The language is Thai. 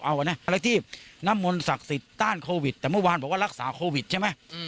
เอานะอะไรที่น้ำมนต์ศักดิ์สิทธิ์ต้านโควิดแต่เมื่อวานบอกว่ารักษาโควิดใช่ไหม